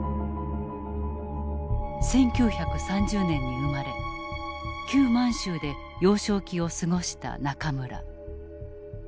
１９３０年に生まれ旧満州で幼少期を過ごした中村。